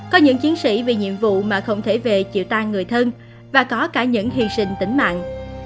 có những chiến sĩ vì nhiệm vụ mà không thể về chịu tan người thân và có cả những hy sinh tính mạng